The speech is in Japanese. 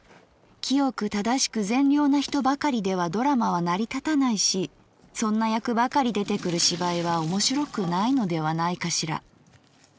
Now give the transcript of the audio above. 清く正しく善良な人ばかりではドラマは成り立たないしそんな役ばかり出てくる芝居は面白くないのではないかしら。